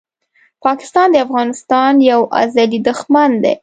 پاکستان د افغانستان یو ازلي دښمن دی!